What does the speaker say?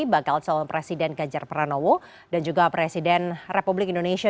bakal calon presiden ganjar pranowo dan juga presiden republik indonesia